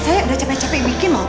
saya udah capek capek bikin loh